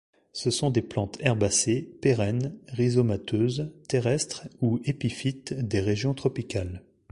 Ce sont des plantes herbacées, pérennes, rhizomateuses, terrestres ou épiphytes des régions tropicales.